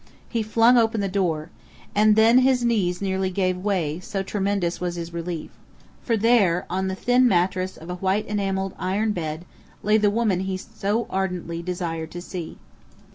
He flung open the door. And then his knees nearly gave way, so tremendous was his relief. For there, on the thin mattress of a white enameled iron bed, lay the woman he so ardently desired to see.